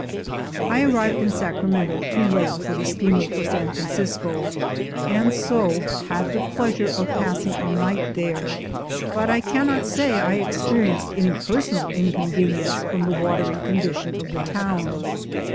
I arrived in Sacramento too late for the steamer for San Francisco, and so had the pleasure of passing a night there, but I cannot say I experienced any personal inconvenience from the watery condition of the town.